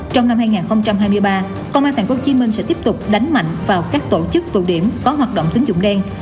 trong năm hai nghìn hai mươi ba công an tp hcm sẽ tiếp tục đánh mạnh vào các tổ chức tụ điểm có hoạt động tính dụng đen